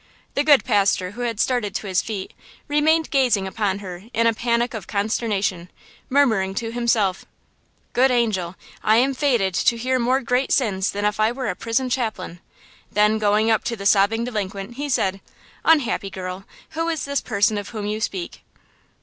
The good pastor, who had started to his feet, remained gazing upon her in a panic of consternation, murmuring to himself: "Good angel! I am fated to hear more great sins than if I were a prison chaplain!" Then, going up to the sobbing deliquent he said: "Unhappy girl! who is this person of whom you speak?"